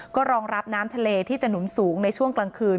ก็รองรับน้ำทะเลที่จะหนุนสูงในช่วงกลางคืน